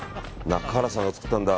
中原さんが作ったんだ。